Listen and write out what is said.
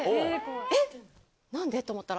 えっ何で？と思ったら。